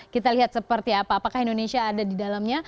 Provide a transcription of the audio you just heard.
kita lihat seperti apa apakah indonesia ada di dalamnya